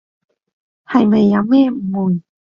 係咪有咩誤會？